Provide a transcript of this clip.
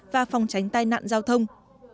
và phòng tránh tai nạn giao thông